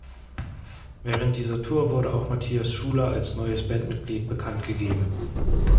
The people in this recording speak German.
Während dieser Tour wurde auch Matthias Schuler als neues Bandmitglied bekannt gegeben.